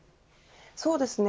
そうですね。